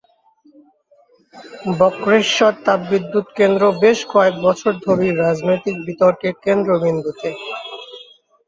বক্রেশ্বর তাপবিদ্যুৎ কেন্দ্র বেশ কয়েক বছর ধরেই রাজনৈতিক বিতর্কের কেন্দ্রবিন্দুতে।